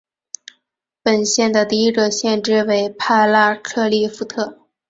本县的第一个县治为帕拉克利夫特。